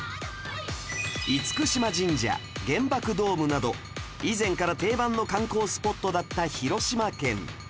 嚴島神社原爆ドームなど以前から定番の観光スポットだった広島県